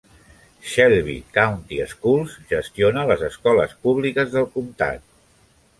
Shelby County Schools gestiona les escoles públiques del comtat.